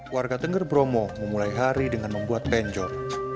warga tengger bromo memulai hari dengan membuat benjot